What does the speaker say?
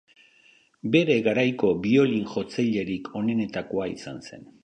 Bere garaiko biolin-jotzailerik onenetakoa izan zen.